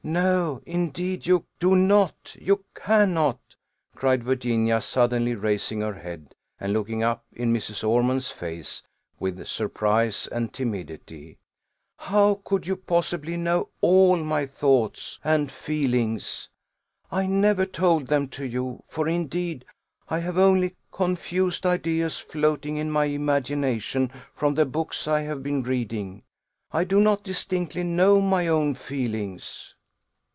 "No, indeed, you do not; you cannot," cried Virginia, suddenly raising her head, and looking up in Mrs. Ormond's face, with surprise and timidity: "how could you possibly know all my thoughts and feelings? I never told them to you; for, indeed, I have only confused ideas floating in my imagination from the books I have been reading. I do not distinctly know my own feelings."